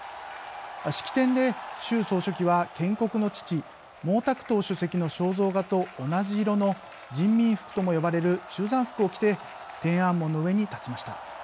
式典で習総書記は建国の父、毛沢東主席の肖像画と同じ色の人民服とも呼ばれる中山服を着て天安門の上に立ちました。